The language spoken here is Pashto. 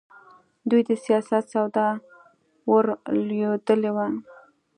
دوی د سیاست سودا ورلوېدلې وه.